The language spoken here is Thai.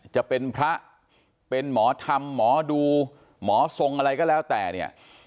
จะเป็นพระเป็นหมอธรรมหมอดูหมอทรงอะไรก็แล้วแต่เนี่ย